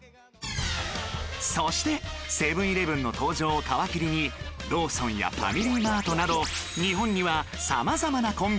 そしてセブン−イレブンの登場を皮切りにローソンやファミリーマートなど日本には